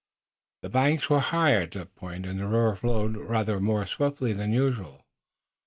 The banks were high at that point, and the river flowed rather more swiftly than usual.